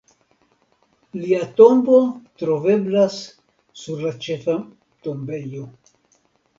Lia tombo troveblas sur la ĉefa tombejo.